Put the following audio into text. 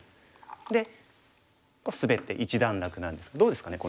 でスベって一段落なんですがどうですかね